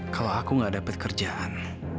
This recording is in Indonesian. kalau aku nggak dapet kerjaan